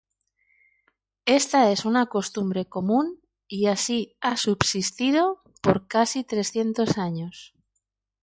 Esta es una costumbre común y así ha subsistido por casi trescientos años.